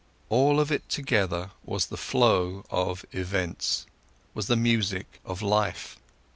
All of it together was the flow of events, was the music of life.